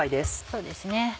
そうですね。